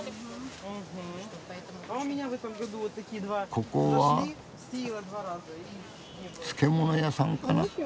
ここは漬物屋さんかな。